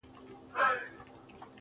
پر وجود څه ډول حالت وو اروا څه ډول وه.